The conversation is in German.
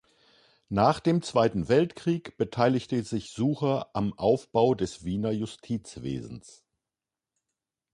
Nach dem Zweiten Weltkrieg beteiligte sich Sucher am Aufbau des Wiener Justizwesens.